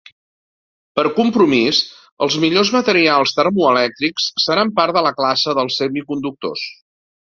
Per compromís, els millors materials termoelèctrics seran part de la classe dels semiconductors.